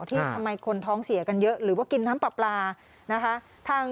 ที่ทำไมคนท้องเสียกันเยอะหรือว่ากินน้ำปลาปลานะคะ